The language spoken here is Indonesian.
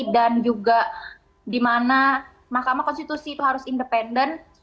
dan juga di mana mahkamah konstitusi itu harus independen